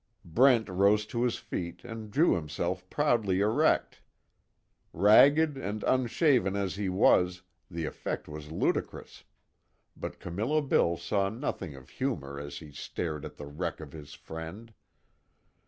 Brent rose to his feet, and drew himself proudly erect. Ragged and unshaven as he was, the effect was ludicrous, but Camillo Bill saw nothing of humour as he stared at the wreck of his friend.